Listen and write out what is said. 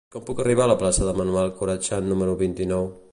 Com puc arribar a la plaça de Manuel Corachan número vint-i-nou?